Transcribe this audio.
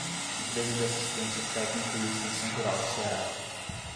Empresa de Assistência Técnica e Extensão Rural do Ceará